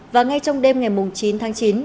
và ngay trong đêm ngày chín chín